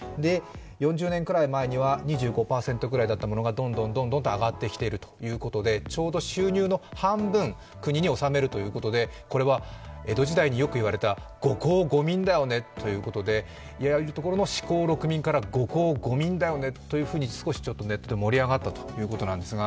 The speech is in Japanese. ４０年くらい前には２５％ぐらいだったものがどんどんどんどんと上がってきているということで、ちょうど収入の半分、国に納めるということでこれは江戸時代によく言われた五公五民だよねということで、四公六民から五公五民だよねということで少しネットが盛り上がったということなんですが。